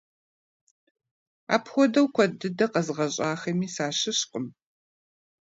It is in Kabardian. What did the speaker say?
Апхуэдэу куэд дыдэ къэзыгъэщӀахэми сащыщкъым.